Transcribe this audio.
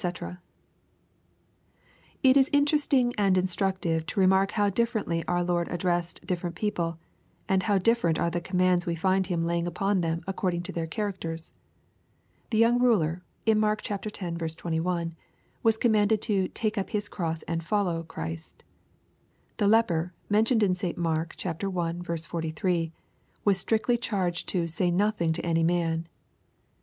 ] It is interesting and instructive to remark how differently our Lord addressed different people, and how different are the commands we find Him laying upon them according to their characters. The young ruler, in Mark x. 21, was commanded to " take up his cross and follow" Christ The leper, mentioned in St Mark i. 43, was strictly charged to " say nothing to any man."